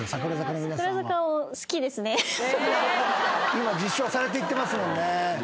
今実証されていってますもんね。